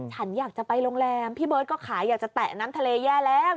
ฉันอยากจะไปโรงแรมพี่เบิร์ตก็ขายอยากจะแตะน้ำทะเลแย่แล้ว